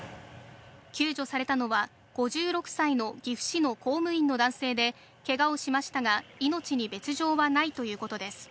救助されたのは５６歳の岐阜市の公務員の男性で、けがをしましたが、命に別条はないということです。